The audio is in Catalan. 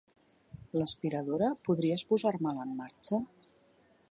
L'aspiradora, podries posar-me-la en marxa?